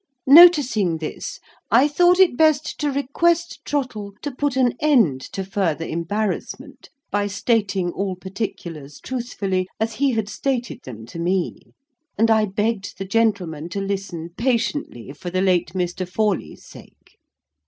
Noticing this, I thought it best to request Trottle to put an end to further embarrassment, by stating all particulars truthfully, as he had stated them to me; and I begged the gentleman to listen patiently for the late Mr. Forley's sake.